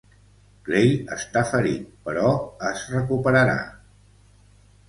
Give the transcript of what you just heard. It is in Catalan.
Clay està ferit, però es recuperarà.